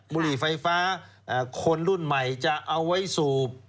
บุหรี่ไฟฟ้าคนรุ่นใหม่จะเอาไว้สูบ